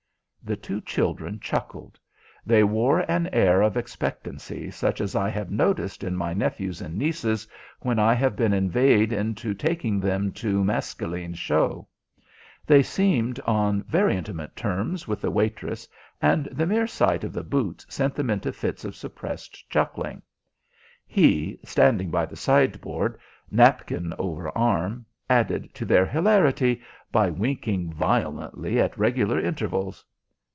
The two children chuckled. They wore an air of expectancy such as I have noticed in my nephews and nieces when I have been inveigled into taking them to Maskelyne's show. They seemed on very intimate terms with the waitress, and the mere sight of the boots sent them into fits of suppressed chuckling. He, standing by the sideboard, napkin over arm, added to their hilarity by winking violently at regular intervals.